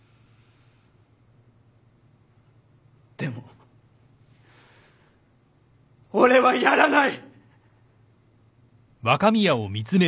でも俺はやらない。